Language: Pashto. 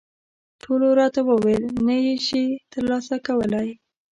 ټولو راته وویل، نه یې شې ترلاسه کولای.